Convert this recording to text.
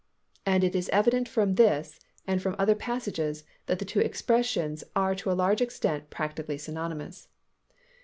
And it is evident from this and from other passages that the two expressions are to a large extent practically synonymous.